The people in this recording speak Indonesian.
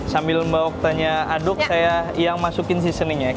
sambil mbak wokta nya aduk saya yang masukin seasoningnya ya